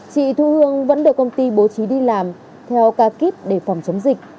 chị thu hương vẫn được công ty bố trí đi làm theo ca kíp để phòng chống dịch